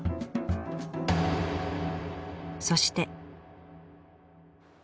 そして。